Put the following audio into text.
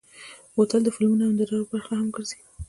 بوتل د فلمونو او نندارو برخه هم ګرځي.